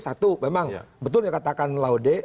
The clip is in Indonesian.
satu memang betul yang katakan laude